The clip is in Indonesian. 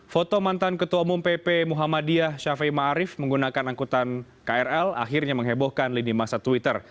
foto mantan ketua umum pp muhammadiyah syafi'i ma'arif menggunakan angkutan krl akhirnya menghebohkan lini masa twitter